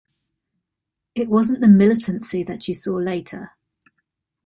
It wasn't the militancy that you saw later.